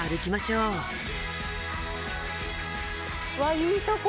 うわいいとこ。